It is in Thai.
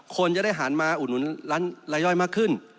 คนจะได้หันมาอุดหนุนร้านรายย่อยมากขึ้น